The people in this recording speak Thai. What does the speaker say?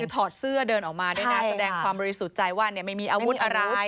ถอดเสื้อเดินออกมาด้วยนะแสดงความบริสุทธิ์ใจว่าไม่มีอาวุธอะไร